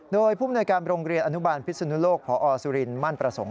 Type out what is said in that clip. โดยผู้มนวยการโรงเรียนอนุบาลพิศนุโลกพอสุรินมั่นประสงค์